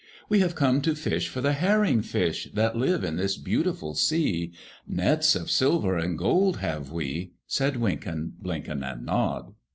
"We have come to fish for the herring fish That live in this beautiful sea; Nets of silver and gold have we," Said Wynken, Blynken, And Nod.